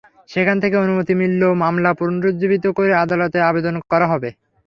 সেখান থেকে অনুমতি মিললে মামলা পুনরুজ্জীবিত করতে আদালতে আবেদন করা হবে।